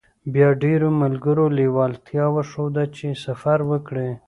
بيا ډېرو ملګرو لېوالتيا وښوده چې سفر وکړي.